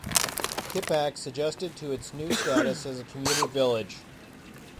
Kippax adjusted to its new status as a commuter village.